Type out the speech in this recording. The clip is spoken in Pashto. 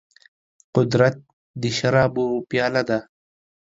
قدرت د شرابو پياله ده.